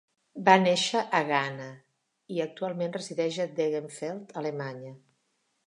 Va néixer a Ghana i actualment resideix a Degenfeld, Alemanya.